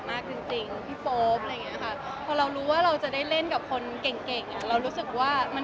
ได้รับฝีมือตัวเองด้วยและได้พัฒนาตัวเองด้วย